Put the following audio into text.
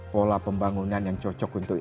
pola pembangunan yang cocok untuk